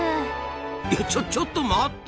いやちょちょっと待った！